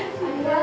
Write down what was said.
ambil selamat ya ay